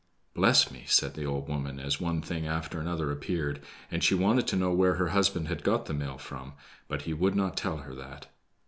"Bless me!" said the old woman as one thing after another appeared; and she wanted to know where her husband had got the mill from, but he would not tell her that.